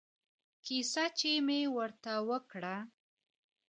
کيسه چې مې ورته وکړه.